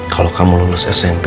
kalau kamu lulus smp